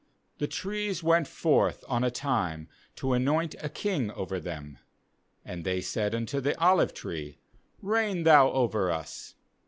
8Thes trees went forth on a time to anoint a king over them; and they said unto the olive tree: Reign thou over us.